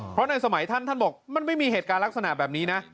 เพราะในสมัยท่านท่านบอกมันไม่มีเหตุการณ์ลักษณะแบบนี้นะ